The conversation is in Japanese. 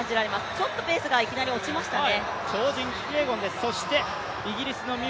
ちょっとペースがいきなり落ちましたね。